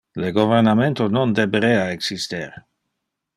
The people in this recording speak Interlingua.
Le governamento non deberea exister.